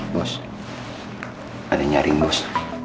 bos ada yang nyari bos